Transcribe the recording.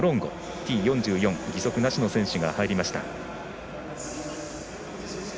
Ｔ４４、義足なしの選手が入りました。